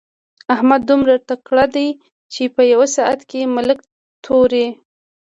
احمد دومره تکړه دی چې په يوه ساعت کې ملک توري.